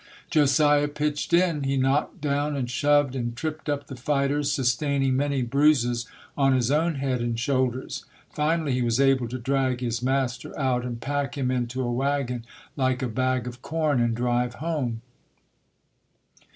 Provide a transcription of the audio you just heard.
Josiah pitched in. He knocked down and shoved and tripped up the fighters, sustaining many bruises on his own head and shoulders. Finally he was able to drag his master out and pack him into a wagon like a bag of corn and drive home.